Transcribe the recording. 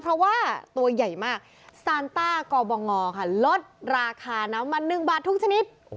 เพราะว่าตัวใหญ่มากซานต้ากบงค่ะลดราคาน้ำมัน๑บาททุกชนิด